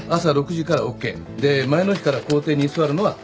で前の日から校庭に居座るのは禁止。